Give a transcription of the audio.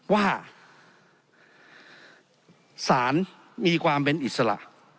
ว่าสารมีความเป็นอิสระ